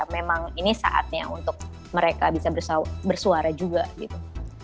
memang ini saatnya untuk mereka bisa bersuara juga gitu